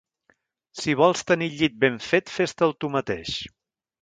Si vols tenir el llit ben fet, fes-te'l tu mateix.